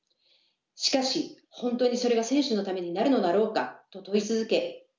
しかし本当にそれが選手のためになるのだろうかと問い続け